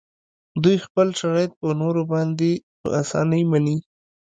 دوی خپل شرایط په نورو باندې په اسانۍ مني